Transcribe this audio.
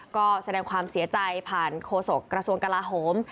ก็แสดงความเสียใจผ่านโฆษกระทรวงกลาโหม